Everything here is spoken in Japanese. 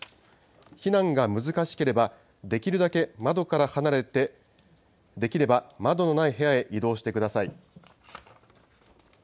避難が難しければ、できるだけ窓から離れて、できれば窓のない部屋へ移動してください。